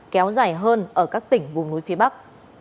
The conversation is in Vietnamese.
kéo dài hơn ở các tỉnh vùng núi phía bắc